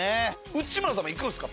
内村さんも行くんすか？